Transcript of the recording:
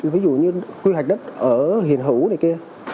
ví dụ như quy hoạch đất ở hiền hữu này kia